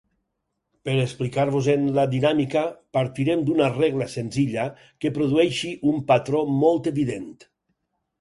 Per explicar-vos-en la dinàmica partirem d'una regla senzilla, que produeixi un patró molt evident.